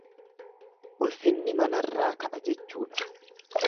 Ulfinni manarraa ka'a jechuudha.